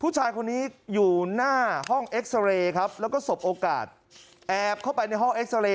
ผู้ชายคนนี้อยู่หน้าห้องเอ็กซาเรย์ครับแล้วก็สบโอกาสแอบเข้าไปในห้องเอ็กซาเรย